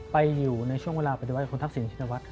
ไปอยู่ในช่วงเวลาปฏิวัตตร์จากคุณทักษิณชั้นวัด